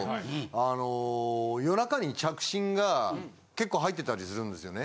あの夜中に着信が結構入ってたりするんですよね。